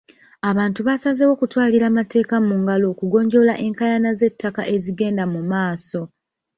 Abantu baasazeewo kutwalira mateeka mu ngalo okugonjoola enkaayana z'ettaka ezigenda mu maaso.